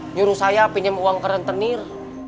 nyuruh saya pinjam uang ke rentenir